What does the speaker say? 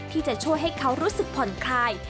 ที่จะช่วยให้เขารู้สึกผ่อนคลาย